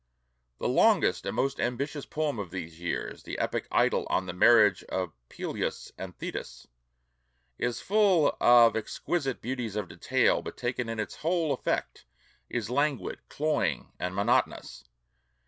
The longest and most ambitious poem of these years, the epic idyl on 'The Marriage of Peleus and Thetis,' is full of exquisite beauties of detail, but taken in its whole effect is languid, cloying, and monotonous.